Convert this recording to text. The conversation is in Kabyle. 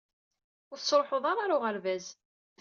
Ur tettruḥuḍ ara ɣer uɣerbaz.